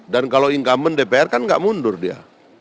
dan kalau income dpr kan enggak mundur dia